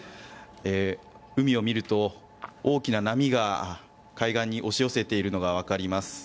海を見ると大きな波が海岸に押し寄せているのがわかります。